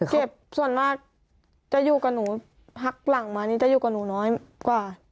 เจ็บส่วนมากจะอยู่กับหนูพักหลังมานี่จะอยู่กับหนูน้อยกว่า